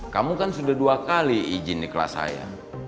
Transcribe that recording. kamu kan sudah dua kali izin di kelas saya